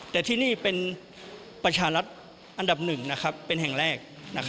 แต่ที่นี่เป็นประชารัฐอันดับหนึ่งเป็นแห่งแรก